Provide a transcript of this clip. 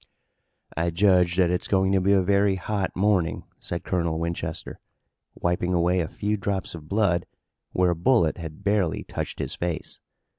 "I judge that it's going to be a very hot morning," said Colonel Winchester, wiping away a few drops of blood, where a bullet had barely touched his face.